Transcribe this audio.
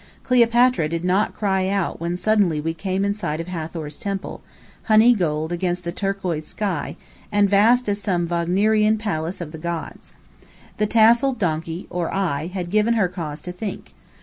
Cleopatra did not cry out when suddenly we came in sight of Hathor's temple, honey gold against the turquoise sky, and vast as some Wagnerian palace of the gods. The tasselled donkey (or I) had given her cause to think.